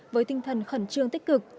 với tinh thần khẩn trương tích cực